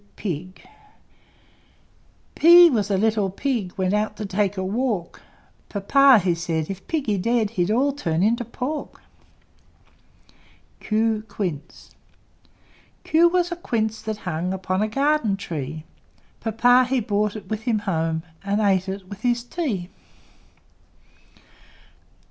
P P was a little Pig, Went out to take a walk; Papa he said, "If Piggy dead, He'd all turn into Pork!" Q Q was a Quince that hung Upon a garden tree; Papa he brought it with him home, And ate it with his tea.